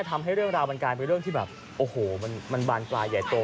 ทำให้เรื่องราวมันกลายเป็นเรื่องที่แบบโอ้โหมันบานปลายใหญ่โต